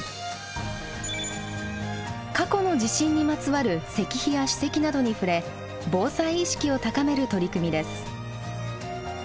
過去の地震にまつわる石碑や史跡などに触れ防災意識を高める取り組みです。